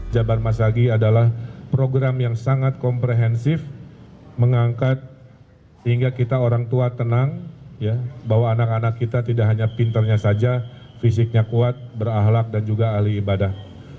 jabar masagi adalah program yang sangat komprehensif mengangkat sehingga kita orang tua tenang bahwa anak anak kita tidak hanya pinternya saja fisiknya kuat berahlak dan juga ahli ibadah